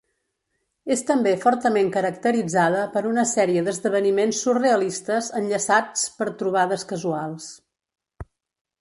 És també fortament caracteritzada per una sèrie d'esdeveniments surrealistes enllaçats per trobades casuals.